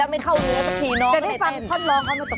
ฟังไหมมีไหม